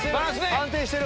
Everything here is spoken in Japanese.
安定してる！